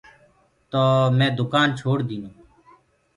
تو مي دُڪآن ڇوڙديٚنو۔